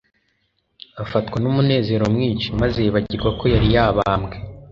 Afatwa n'umunezero mwinshi maze yibagirwa ko yari yabambwe.